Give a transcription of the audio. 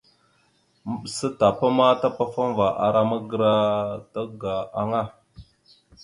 Maɓəsa tapa ma tapafaŋava ara magəra daga aŋa.